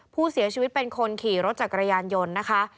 ผู้เสียชีวิตเป็นคนขี่รถจักรยานยนต์นะคะ